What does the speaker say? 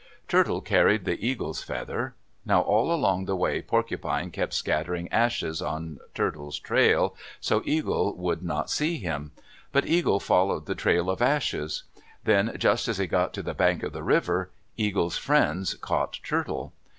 Turtle carried the Eagle's feather. Now all along the way Porcupine kept scattering ashes on Turtle's trail so Eagle would not see him. But Eagle followed the trail of ashes. Then, just as he got to the bank of the river, Eagle's friends caught Turtle.